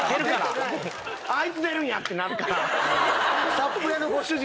サップ屋のご主人。